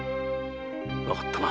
わかったな。